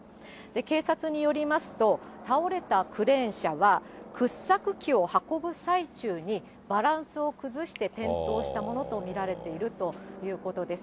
警察によりますと、倒れたクレーン車は、掘削機を運ぶ最中に、バランスを崩して転倒したものと見られているということです。